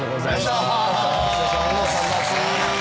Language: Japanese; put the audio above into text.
・お疲れさまです。